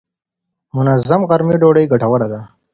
منظم غرمې ډوډۍ ګټوره ده.